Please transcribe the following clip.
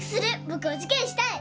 僕お受験したい！